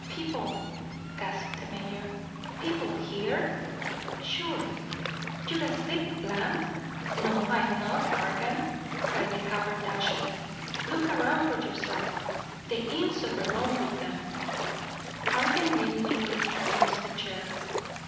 "People," gasped the mayor. "People here?" "Sure." "You're asleep, Bland." "No I'm not, Cargan," cried the haberdasher. "Look around for yourself. The inn's overrun with them." Cargan leaned weakly against a chair.